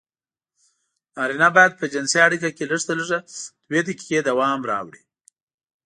نارينه بايد په جنسي اړيکه کې لږترلږه دوې دقيقې دوام راوړي.